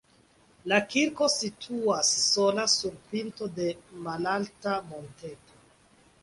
La kirko situas sola sur pinto de malalta monteto.